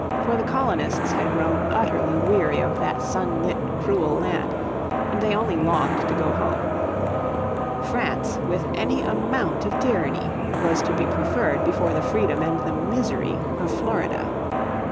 For the colonists had grown utterly weary of that sunlit cruel land, and they only longed to go home. France with any amount of tyranny was to be preferred before the freedom and the misery of Florida.